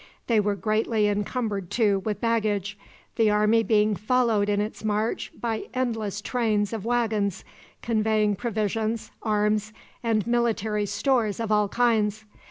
They were greatly encumbered, too, with baggage, the army being followed in its march by endless trains of wagons conveying provisions, arms, and military stores of all kinds.